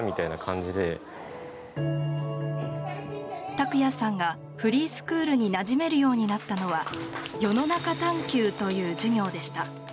拓也さんがフリースクールになじめるようになったのは世の中探求という授業でした。